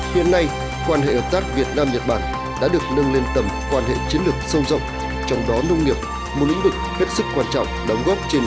hiện nay quan hệ ập tác việt nam nhật bản đã được nâng lên tầm quan hệ chiến lược sâu rộng trong đó nông nghiệp một lĩnh vực hết sức quan trọng đóng góp trên hai mươi